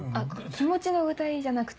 気持ちの具体じゃなくて。